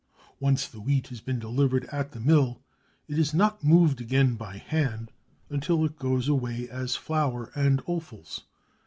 Once the wheat has been delivered at the mill it is not moved again by hand until it goes away as flour and offals.